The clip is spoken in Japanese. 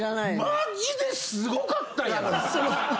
マジですごかったんやから！